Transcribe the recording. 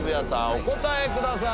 お答えください。